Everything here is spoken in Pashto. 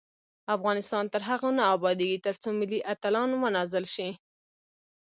افغانستان تر هغو نه ابادیږي، ترڅو ملي اتلان ونازل شي.